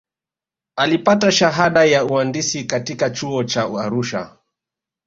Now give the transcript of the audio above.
alipata shahada ya uandisi katika chuo cha arusha